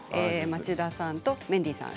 町田さんとメンディーさん。